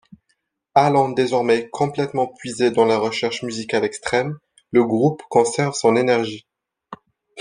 Allant désormais complètement puiser dans la recherche musicale extrême, le groupe conserve son énergie.